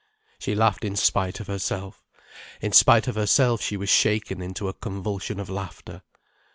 She laughed in spite of herself. In spite of herself she was shaken into a convulsion of laughter.